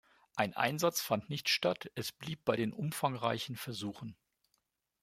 Ein Einsatz fand nicht statt, es blieb bei den umfangreichen Versuchen.